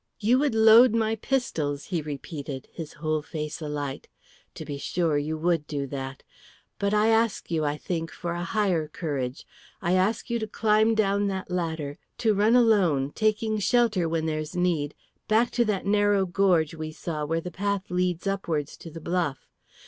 "You would load my pistols!" he repeated, his whole face alight. "To be sure, you would do that. But I ask you, I think, for a higher courage. I ask you to climb down that ladder, to run alone, taking shelter when there's need, back to that narrow gorge we saw where the path leads upwards to the bluff.